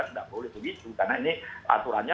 tidak boleh begitu karena ini aturannya